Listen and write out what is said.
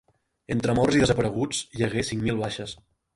Entre morts i desapareguts, hi hagué cinc mil baixes.